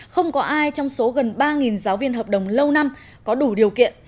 không có ai trong số gần ba giáo viên hợp đồng lâu năm có đủ điều kiện